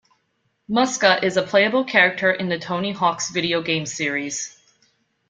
Muska is a playable character in the "Tony Hawk's" video game series.